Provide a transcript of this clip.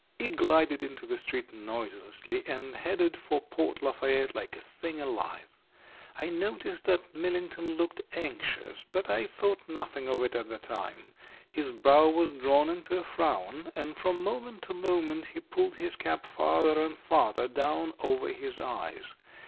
It glided into the street noiselessly and headed for Port Lafayette like a thing alive. I noticed that Millington looked anxious, but I thought nothing of it at the time. His brow was drawn into a frown, and from moment to moment he pulled his cap farther and farther down over his eyes.